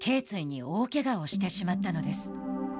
椎に大けがをしてしまったのです。